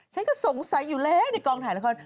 ฉันก็สงสัยอยู่แล้วในกองถ่ายละคร